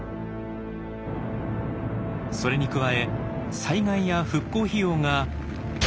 それに加え災害や復興費用が。